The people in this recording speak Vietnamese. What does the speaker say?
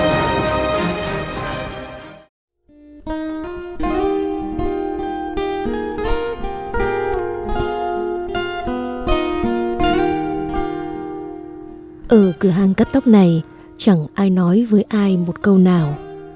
ở cửa hàng cắt tóc này chẳng ai nói với ai một câu nào